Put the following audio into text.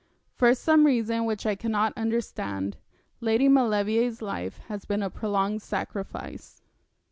For some reason which I cannot understand, Lady Maulevrier's life has been a prolonged sacrifice.'